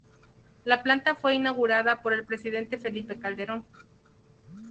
La planta fue inaugurada por el Presidente Felipe Calderón.